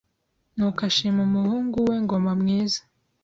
Nuko ashima umuhungu we Ngoma mwiza